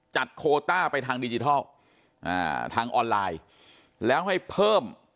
โคต้าไปทางดิจิทัลทางออนไลน์แล้วให้เพิ่ม